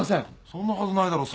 そんなはずないだろ